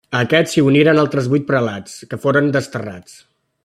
A aquests si uniren altres vuit prelats, que foren desterrats.